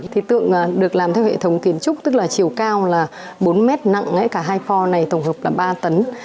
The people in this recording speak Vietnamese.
thì tượng được làm theo hệ thống kiến trúc tức là chiều cao là bốn mét nặng cả hai pho này tổng hợp là ba tấn